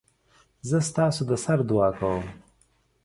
زه ستاسودسر دعاکوم